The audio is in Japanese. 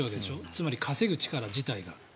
つまり稼ぐ力自体が。